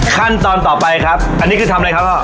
ขั้นตอนต่อไปครับอันนี้คือทำอะไรครับพ่อ